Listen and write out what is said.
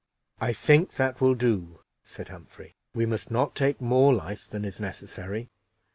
"I think that will do," said Humphrey: "we must not take more life than is necessary.